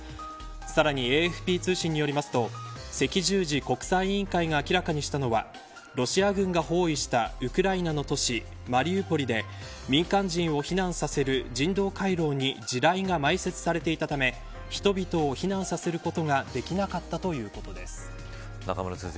さらにＡＦＰ通信によりますと赤十字国際委員会が明らかにしたのはロシア軍が包囲したウクライナの都市マリウポリで民間人を避難させる人道回廊に地雷が埋設されていたため人々を避難させることができなかったということです。